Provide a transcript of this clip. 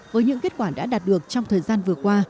với những kết quả đã đạt được trong thời gian vừa qua